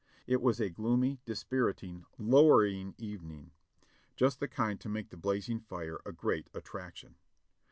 It was a gloomy, dispiriting, lowering evening; just the kind to make the blazing fire a great attraction.